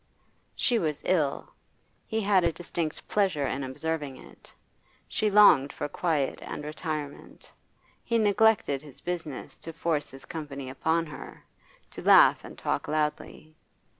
She was ill; he had a distinct pleasure in observing it. She longed for quiet and retirement; he neglected his business to force his company upon her, to laugh and talk loudly.